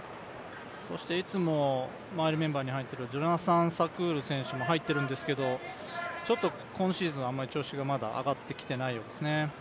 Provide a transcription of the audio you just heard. いつもマイルメンバーに入っているジョナサン・サクール選手も入っているんですけれども、ちょっと今シーズン、調子がまだ上がってきていないようですね。